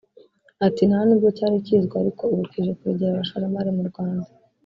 Ati″ Nta nubwo cyari kizwi ariko ubu kije kwegera abashoramari mu Rwanda